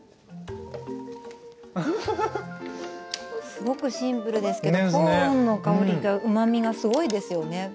すごくシンプルですけれどコーンの香りがうまみがですね。